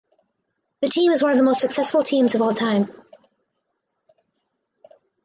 The team is one of the most successful teams of all time.